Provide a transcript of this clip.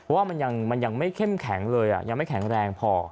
ว่ามันยังไม่เข้มแข็งเลยยังไม่แข็งแรงพอ